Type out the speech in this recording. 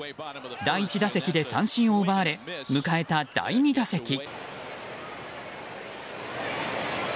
第１打席で三振を奪われ迎えた第２打席。